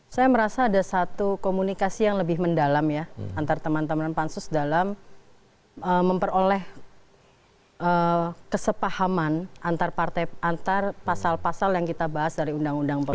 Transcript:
saya merasa ada satu komunikasi yang lebih mendalam ya antar teman teman pansus dalam memperoleh kesepahaman antar pasal pasal yang kita bahas dari undang undang pemilu